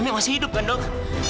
nenek masih hidup nenek